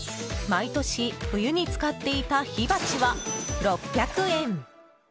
毎年冬に使っていた火鉢は６００円。